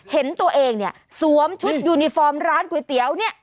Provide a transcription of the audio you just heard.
เห็นตัวเองเนี่ยสวมชุดยูนิฟอร์มร้านก๋วยเตี๋ยวเนี่ย